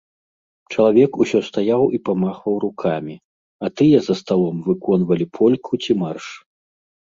Чалавек усё стаяў і памахваў рукамі, а тыя за сталом выконвалі польку ці марш.